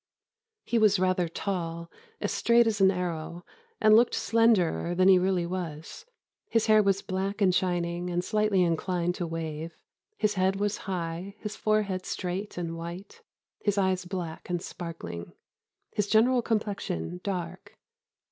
He was rather tall, as straight as an arrow, and looked slenderer than he really was. His hair was black and shining, and slightly inclined to wave; his head was high, his forehead straight and white, his eyes black and sparkling, his general complexion dark....